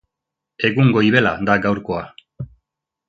Egun goibela da gaurkoa